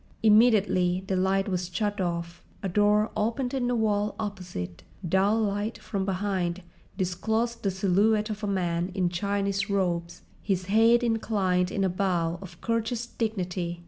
Immediately the light was shut off, a door opened in the wall opposite, dull light from behind disclosed the silhouette of a man in Chinese robes, his head inclined in a bow of courteous dignity.